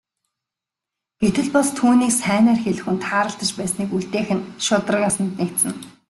Гэтэл бас түүнийг сайнаар хэлэх хүн тааралдаж байсныг үлдээх нь шударга ёсонд нийцнэ.